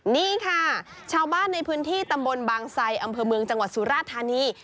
นี่ค่ะชาวบ้านในพื้นที่ตำบลบางไซอำเภอเมืองจังหวัดสุราธานี